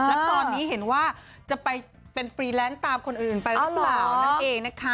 แล้วตอนนี้เห็นว่าจะไปเป็นฟรีแลนซ์ตามคนอื่นไปหรือเปล่านั่นเองนะคะ